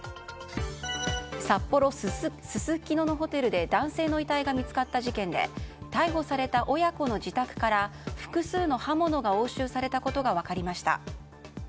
札幌・すすきののホテルで男性の遺体が見つかった事件で逮捕された親子の自宅から複数の刃物が押収されたことが分かりました。